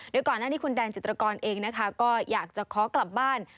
ด้วยก่อนฤวีคุณแดงจิตรกรเองก็อยากจะขอกลับบ้าน